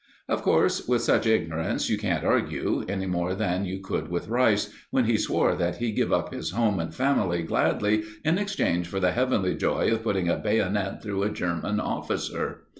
Of course, with such ignorance you can't argue, any more than you could with Rice, when he swore that he'd give up his home and family gladly in exchange for the heavenly joy of putting a bayonet through a German officer.